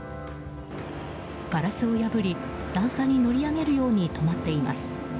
ガラスを破り段差に乗り上げるように止まっています。